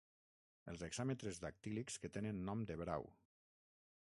Els hexàmetres dactílics que tenen nom de brau.